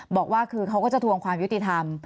บอกว่าคือเขาก็จะทวงความยุติธรรม